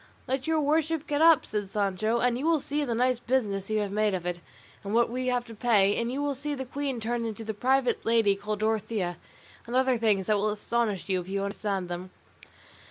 "Let your worship get up," said Sancho, "and you will see the nice business you have made of it, and what we have to pay; and you will see the queen turned into a private lady called Dorothea, and other things that will astonish you, if you understand them."